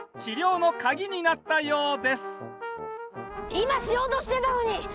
今しようとしてたのに！